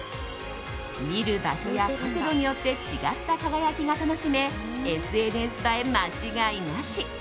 見る場所や角度によって違った輝きが楽しめＳＮＳ映え間違いなし。